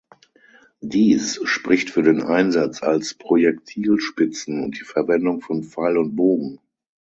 Dies spricht für den Einsatz als Projektilspitzen und die Verwendung von Pfeil und Bogen.